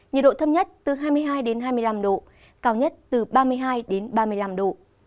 nhiệt độ thấp nhất từ hai mươi hai đến hai mươi năm độ cao nhất từ ba mươi hai ba mươi năm độ